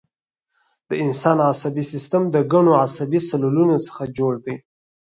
د انسان عصبي سیستم د ګڼو عصبي سلولونو څخه جوړ دی